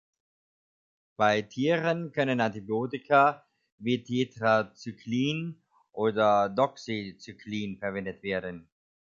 Bei Tieren können Antibiotika wie Tetracyclin oder Doxycyclin verwendet werden.